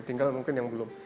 tinggal mungkin yang belum